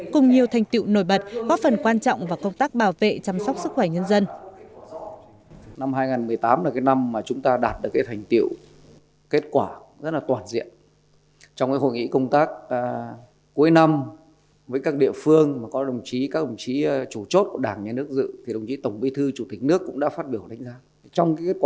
cùng nhiều thành tiệu nổi bật góp phần quan trọng vào công tác bảo vệ chăm sóc sức khỏe nhân dân